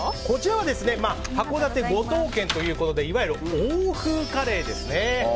こちらは函館五島軒ということでいわゆる欧風カレーですね。